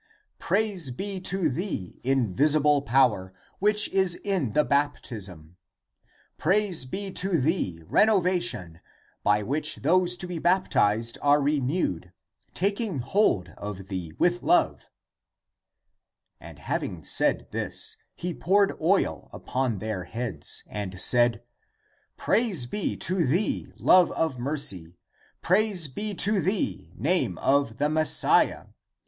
Praise be to thee, invisible power, which is in the baptism ! Praise be to thee, renovation, by which those to be baptized are renewed,* taking 8 Syriac : in the Trinity. * Comp. Titus in, 5. ACTS OF THOMAS 333 hold of thee with love." And having said this, he poured oil upon their heads, and said, 'Traise be to thee, love of mercy ! Praise be to thee, name of the Messiah